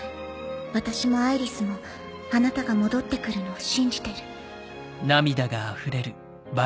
私もアイリスもあなたが戻って来るのを信じてる」。